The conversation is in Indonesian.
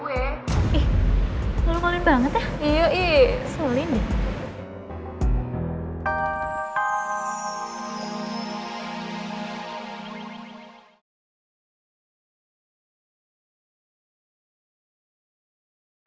iya gue pura pura buta kayak gini supaya my prince merasa bersalah dan selalu aja bisa cek gue